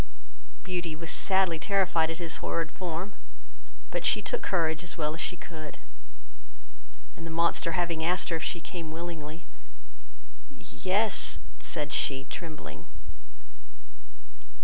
Beauty was sadly terrified at his horrid form, but she took courage as well as she could, and the monster having asked her if she came willingly; "y e s," said she, trembling.